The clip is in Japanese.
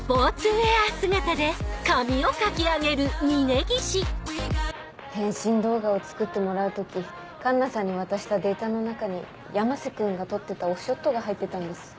ねっ！変身動画を作ってもらう時カンナさんに渡したデータの中に山瀬君が撮ってたオフショットが入ってたんです。